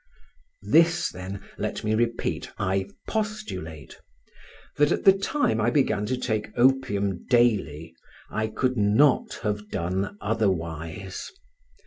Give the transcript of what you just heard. This, then, let me repeat, I postulate—that at the time I began to take opium daily I could not have done otherwise.